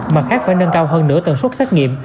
mặt khác phải nâng cao hơn nửa tần suất xét nghiệm